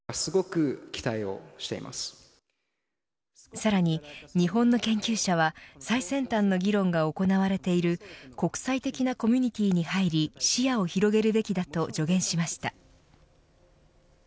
さらに、日本の研究者は最先端の議論が行われている国際的なコミュニティーに入り視野を広げるべきだと助言しました。